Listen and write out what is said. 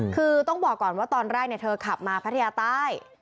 คือต้องบอกก่อนว่าตอนแรกเธอขับมาพัทยาใต้